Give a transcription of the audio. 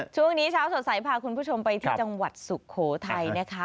ช่วงนี้เช้าสดใสพาคุณผู้ชมไปที่จังหวัดสุโขทัยนะคะ